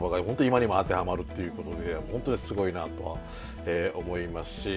今にも当てはまるっていうことで本当にすごいなと思いますし。